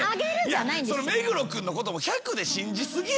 目黒君のことも１００で信じ過ぎや。